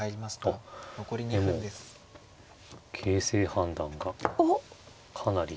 あっ形勢判断がかなり。